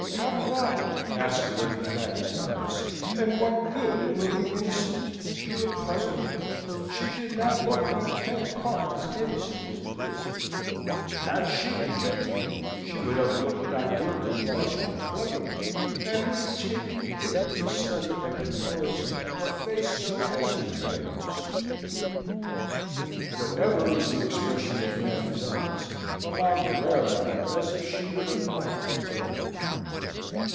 "Have what?" asked Lady Fanny's eyes. But what good in looking innocent? She looked puzzled. She did not look one tenth part as innocent as Maria. Had she been guilty, she would have looked not guilty much more cleverly; and would have taken care to study and compose a face so as to be ready to suit the plea. Whatever was the expression of Fanny's eyes, mamma glared on her as if she would have liked to tear them out.